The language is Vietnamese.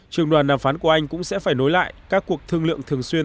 trường đoàn đàm phán của anh cũng sẽ phải nối lại các cuộc thương lượng thường xuyên